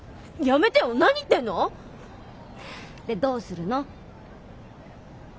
やめてよ何言ってんの？でどうするの？